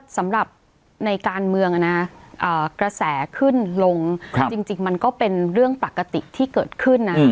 สำหรับในการเมืองกระแสขึ้นลงจริงมันก็เป็นเรื่องปกติที่เกิดขึ้นนะ